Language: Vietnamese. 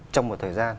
trong một thời gian